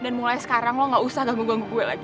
dan mulai sekarang lo gak usah ganggu ganggu gue lagi